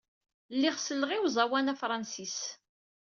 Lliɣ selleɣ i uẓawan afṛensis.